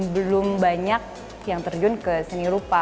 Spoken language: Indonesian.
belum banyak yang terjun ke seni rupa